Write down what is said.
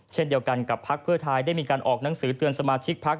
เช่นเดียวกันกับพักเพื่อไทยได้มีการออกหนังสือเตือนสมาชิกพัก